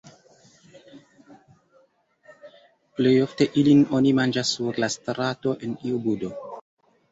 Plejofte ilin oni manĝas sur la strato en iu budo.